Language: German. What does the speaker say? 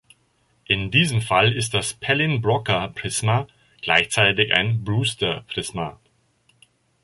In diesem Fall ist das Pellin-Broca-Prisma gleichzeitig ein Brewster-Prisma.